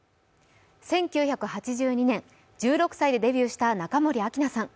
１９８２年、１６歳でデビューした中森明菜さん。